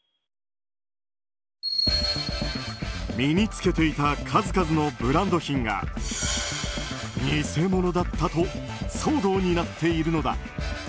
身に着けていた数々のブランド品が偽物だったと騒動になっているのだ。